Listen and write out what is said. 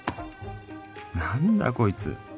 何だこいつ